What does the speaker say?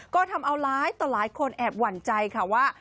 ก็ทำเอาหลายต่อหลายคนแอบหวั่นใจค่ะว่า